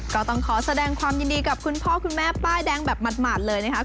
ก็ต้องขอแสดงความยินดีกับคุณพ่อคุณแม่ป้ายแดงแบบหมาดเลยนะคะ